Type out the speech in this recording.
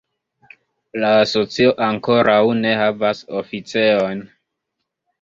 La asocio ankoraŭ ne havas oficejon.